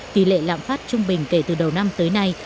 tỷ lệ lạm phát trung bình kể từ đầu năm tới nay